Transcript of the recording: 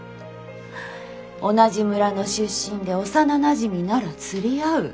同じ村の出身で幼なじみなら釣り合う。